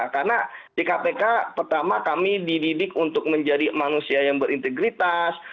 karena di kpk pertama kami dididik untuk menjadi manusia yang berintegritas